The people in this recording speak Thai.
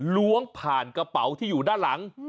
ล้วงผ่านกระเป๋าที่อยู่ด้านหลัง